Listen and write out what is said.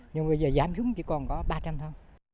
nhưng bây giờ giảm xuống chỉ còn có ba trăm linh thôi